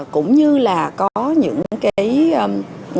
cũng như là có những ý tưởng